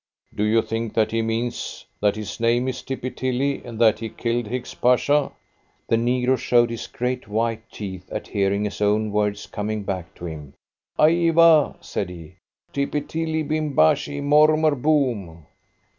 "Do you think that he means that his name is Tippy Tilly, and that he killed Hicks Pasha?" The negro showed his great white teeth at hearing his own words coming back to him. "Aiwa!" said he. "Tippy Tilly Bimbashi Mormer Boum!"